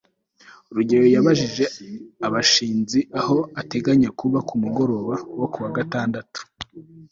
rugeyo yabajije gashinzi aho ateganya kuba ku mugoroba wo ku wa gatandatu